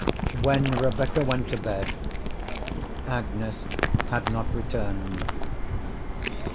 When Rebecca went to bed Agnes had not returned.